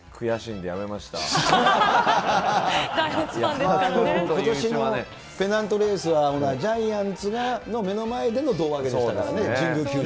ことしのペナントレースはジャイアンツの目の前での胴上げでしたからね、神宮球場で。